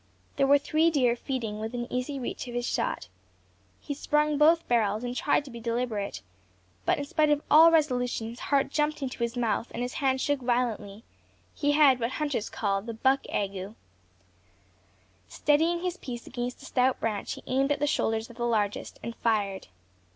There were three deer feeding within easy reach of his shot. He sprung both barrels, and tried to be deliberate, but in spite of all resolution his heart jumped into his mouth, and his hand shook violently; he had what hunters call "the buck ague." Steadying his piece against a stout branch, he aimed at the shoulders of the largest, and fired.